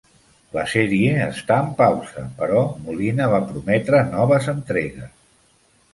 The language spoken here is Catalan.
La sèrie està en pausa, però Molina va prometre noves entregues.